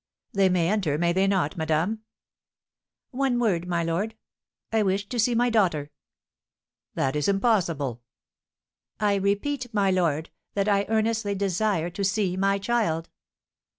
"They may enter, may they not, madame?" "One word, my lord. I wish to see my daughter." "That is impossible!" "I repeat, my lord, that I earnestly desire to see my child."